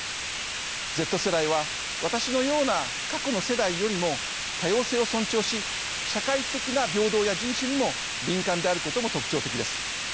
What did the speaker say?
Ｚ世代は私のような過去の世代よりも多様性を尊重し社会的な平等や人種にも敏感であることも特徴的です。